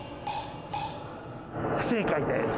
不正解です。